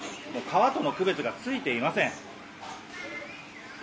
川との区別がついていません。